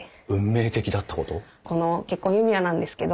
この結婚指輪なんですけど。